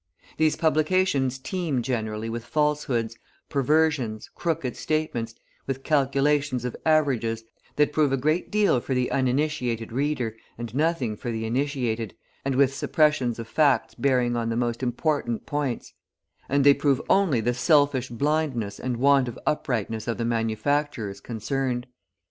These publications teem generally with falsehoods, perversions, crooked statements, with calculations of averages, that prove a great deal for the uninitiated reader and nothing for the initiated, and with suppressions of facts bearing on the most important points; and they prove only the selfish blindness and want of uprightness of the manufacturers concerned.